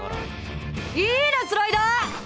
いいねスライダー！